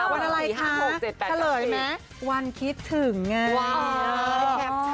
วันอะไรคะเฉลยไหมวันคิดถึงไง